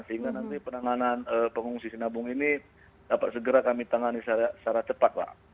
sehingga nanti penanganan pengungsi sinabung ini dapat segera kami tangani secara cepat pak